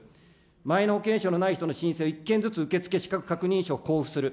マイナ保険証のない人の申請を１件ずつ受け付け、資格確認書を交付する。